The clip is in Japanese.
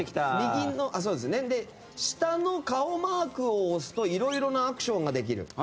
下の顔マークを押すといろいろなアクションができる。